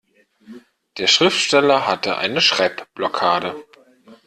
Der Schriftsteller hatte eine Schreibblockade.